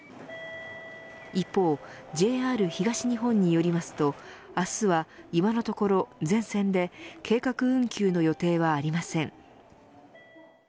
一方、ＪＲ東日本によりますと明日は今のところ全線で計画運休の予定はありません。